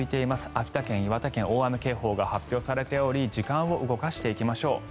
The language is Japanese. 秋田県、岩手県大雨警報が発表されており時間を動かしていきましょう。